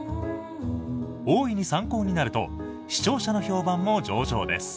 大いに参考になると視聴者の評判も上々です。